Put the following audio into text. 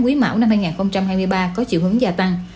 các sản phẩm quý mạo năm hai nghìn hai mươi ba có chịu hứng gia tăng